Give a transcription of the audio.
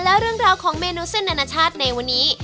และเรื่องราวของเมนูเส้นอนาชาติในวันนี้